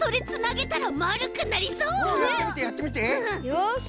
よし。